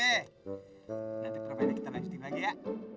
nih nanti berapa ini kita main streaming lagi ya